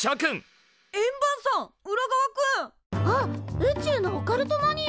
宇宙のオカルトマニア。